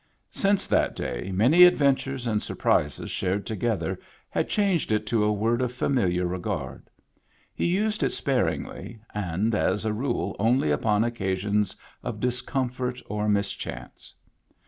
Since that day many adventures and sur prises shared together had changed it to a word of familiar regard ; he used it sparingly, and as a rule only upon occasions of discomfort or mis chance.